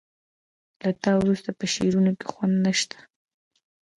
له تا وروسته په شعرونو کې خوند نه شته